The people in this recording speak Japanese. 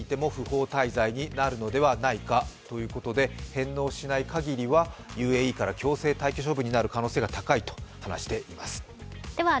返納しないかぎりはＵＡＥから強制退去処分になる可能性が高いと話しています。